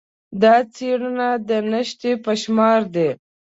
دا څېړنې د نشت په شمار دي.